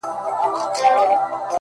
ټول بکواسیات دي،